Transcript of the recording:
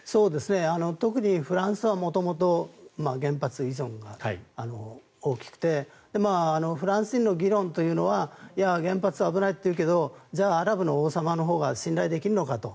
特にフランスは元々、原発依存が大きくてフランスでの議論というのは原発は危ないというけどじゃあ、アラブの王様のほうが信頼できるのかと。